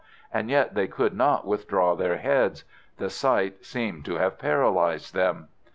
And yet they could not withdraw their heads. The sight seemed to have paralyzed them.